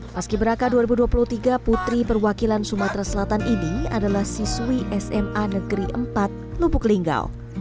paski beraka dua ribu dua puluh tiga putri perwakilan sumatera selatan ini adalah siswi sma negeri empat lubuk linggau